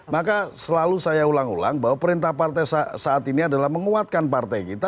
maka selalu saya ulang ulang bahwa perintah partai saat ini adalah menguatkan partai kita